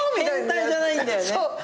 変態じゃないんだよね。